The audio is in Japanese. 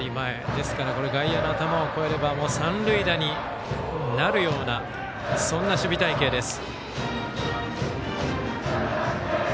ですから、これは外野の頭を越えれば三塁打になるようなそんな守備隊形です。